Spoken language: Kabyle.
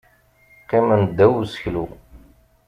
Qqimen ddaw useklu.